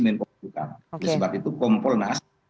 menko kekutukan sebab itu kompolnas